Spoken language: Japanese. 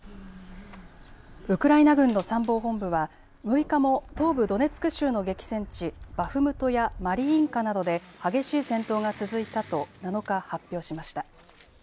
ウクライナ軍の参謀本部は６日も東部ドネツク州の激戦地、バフムトやマリインカなどで激しい戦闘が続いたと７日、発表しました。